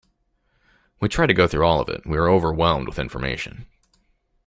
We tried to go through all of it, we were overwhelmed with information.